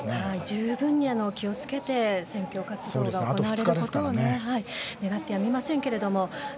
十分に気を付けて選挙活動が行われることを願ってやみません。